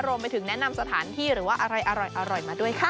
รวมไปถึงแนะนำสถานที่หรือว่าอะไรอร่อยมาด้วยค่ะ